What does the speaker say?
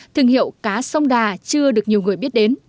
thương hiệu cá sông đà chưa được nhiều người biết đến